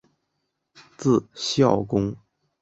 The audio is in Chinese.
字孝公。